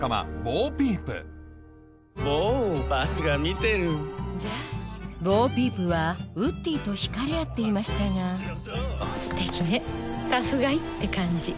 ボー・ピープはウッディと引かれ合っていましたがステキねタフガイって感じ。